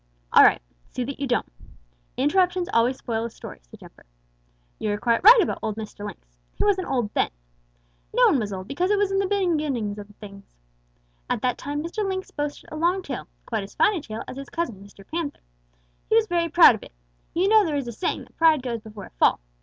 "All right, see that you don't. Interruptions always spoil a story," said Jumper. "You are quite right about old Mr. Lynx. He wasn't old then. No one was old, because it was in the beginning of things. At that time Mr. Lynx boasted a long tail, quite as fine a tail as his cousin, Mr. Panther. He was very proud of it. You know there is a saying that pride goes before a fall.